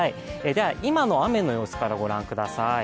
では、今の雨の様子からご覧ください。